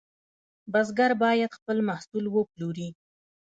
بزګر باید خپل محصول وپلوري.